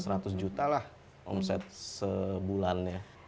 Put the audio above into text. rata rata seratus juta lah omset sebulannya